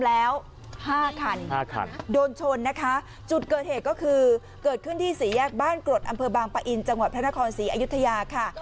แล้วห้าคันห้าคันโดนชนนะคะจุดเกิดเหตุก็คือเกิดขึ้นที่สี่แยกบ้านกรดอำเภอบางปะอินจังหวัดพระนครศรีอยุธยาค่ะ